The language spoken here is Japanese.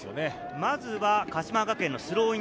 まずは鹿島学園のスローイン。